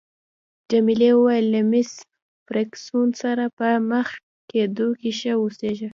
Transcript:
جميلې وويل: له مېس فرګوسن سره په مخ کېدو کې ښه اوسیږه.